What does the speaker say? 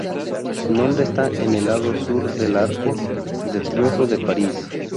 Su nombre está en el lado sur del Arco de Triunfo de París.